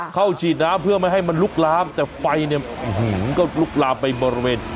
เข้าฉีดน้ำเพื่อไม่ให้มันลุกล้ามแต่ไฟเนี้ยอื้อหือก็ลุกล้ามไปบริเวณ